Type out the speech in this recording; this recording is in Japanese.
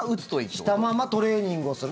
したままトレーニングをする。